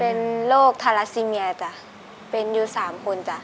เป็นโรคทาราซิเมียจ้ะเป็นอยู่๓คนจ้ะ